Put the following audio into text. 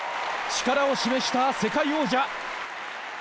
力を示した世界王者。